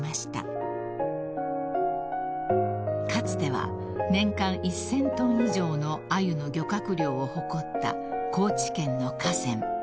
［かつては年間１，０００ｔ以上のアユの漁獲量を誇った高知県の河川］